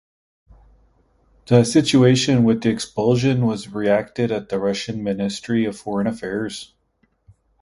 The situation with the expulsion was reacted at the Russian Ministry of Foreign Affairs.